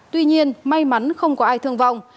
tuy nhiên may mắn không có ai thương vong